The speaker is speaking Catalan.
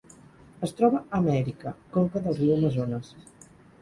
Es troba a Amèrica: conca del riu Amazones.